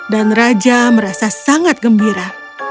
dan raja merasa sangat gembira